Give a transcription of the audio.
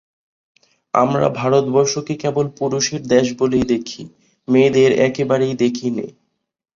আমরা ভারতবর্ষকে কেবল পুরুষের দেশ বলেই দেখি, মেয়েদের একেবারেই দেখি নে।